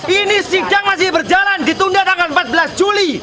ini sidang masih berjalan ditunda tanggal empat belas juli